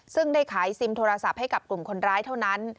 ซึ่งได้ขายซิมโทรศัพท์ให้กับกลุ่มคนร้ายเท่านั้น